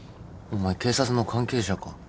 お前警察の関係者か？